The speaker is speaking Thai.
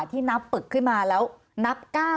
ที่นับปึกขึ้นมาแล้วนับ๙